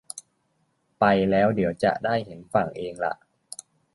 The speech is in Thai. ไปแล้วเดี๋ยวจะได้เห็นฝั่งเองล่ะ